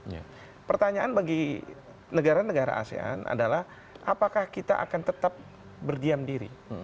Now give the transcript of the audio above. jadi pertanyaan bagi negara negara asean adalah apakah kita akan tetap berdiam diri